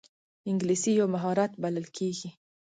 انګلیسي یو مهارت بلل کېږي